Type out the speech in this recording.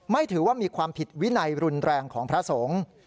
ถือว่ามีความผิดวินัยรุนแรงของพระสงฆ์